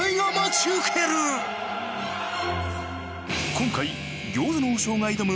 今回餃子の王将が挑む